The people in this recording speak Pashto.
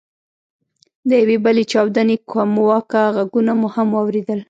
د یوې بلې چاودنې کمواکه ږغونه مو هم واورېدل.